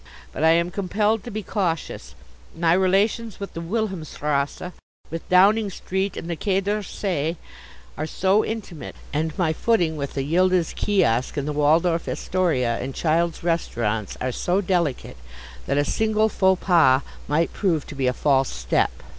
But I am compelled to be cautious. My relations with the Wilhelmstrasse, with Downing Street and the Quai d'Orsay, are so intimate, and my footing with the Yildiz Kiosk and the Waldorf Astoria and Childs' Restaurants are so delicate, that a single faux pas might prove to be a false step.